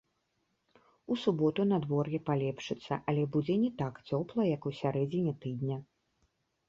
У суботу надвор'е палепшыцца але будзе не так цёпла, як у сярэдзіне тыдня.